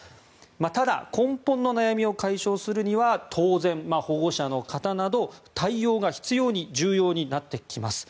ただ、根本の悩みを解消するには当然、保護者の方など対応が必要に重要になってきます。